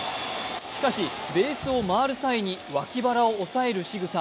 しかし、ベースを回る際に脇腹を押さえるしぐさ